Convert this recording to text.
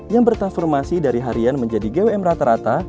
yang bertransformasi dari harian menjadi gwm rata rata